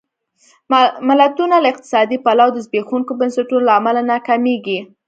ملتونه له اقتصادي پلوه د زبېښونکو بنسټونو له امله ناکامېږي.